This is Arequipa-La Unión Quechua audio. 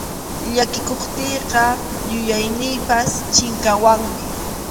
Llakikuptiyqa yuyayniypas chinkawanmi.